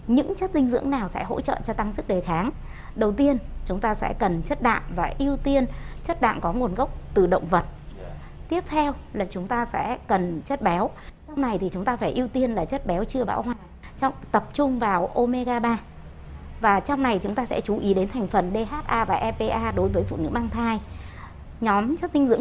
những chất dinh dưỡng nào sẽ hỗ trợ cho tăng sức đề kháng